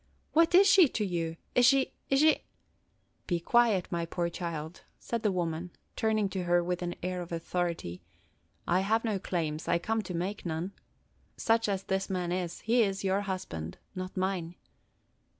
What is she to you? Is she – is she –" "Be quiet, my poor child," said the woman, turning to her with an air of authority. "I have no claims; I come to make none. Such as this man is, he is your husband, not mine.